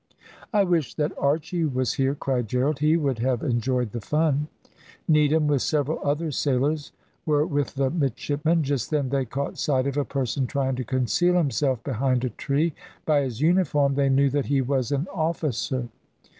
"I wish that Archy was here," cried Gerald, "he would have enjoyed the fun." Needham, with several other sailors, were with the midshipmen. Just then they caught sight of a person trying to conceal himself behind a tree. By his uniform they knew that he was an officer.